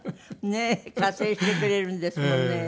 ねえ加勢してくれるんですもんね。